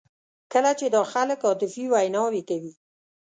کله چې دا خلک عاطفي ویناوې کوي.